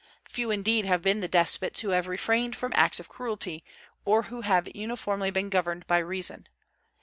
Few indeed have been the despots who have refrained from acts of cruelty, or who have uniformly been governed by reason.